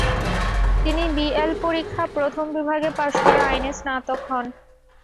তিনি বি.এল পরীক্ষা প্রথম বিভাগে পাশ করে আইনে স্নাতক হন।